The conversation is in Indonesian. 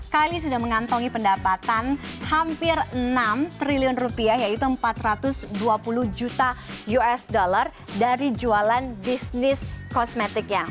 kylie sudah mengantongi pendapatan hampir enam triliun rupiah yaitu empat ratus dua puluh juta usd dari jualan bisnis kosmetiknya